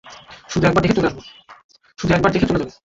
শুধু একবার দেখে চলে যাবে।